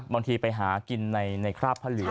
บางทีไปหากินในคราบพระเหลือง